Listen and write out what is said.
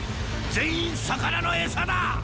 全員魚のエサだ！